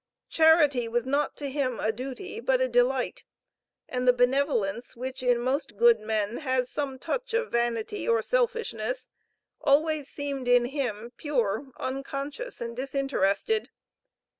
Charity was not to him a duty, but a delight; and the benevolence, which, in most good men, has some touch of vanity or selfishness, always seemed in him pure, unconscious and disinterested.